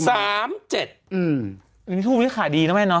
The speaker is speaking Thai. อันนี้ทุบที่การขัดีน่ะมั้ย